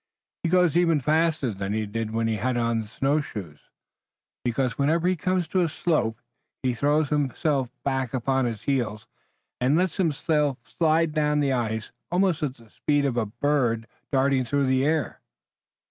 He goes even faster than he did when he had on the snow shoes, because whenever he comes to a slope he throws himself back upon his heels and lets himself slide down the ice almost at the speed of a bird darting through the air."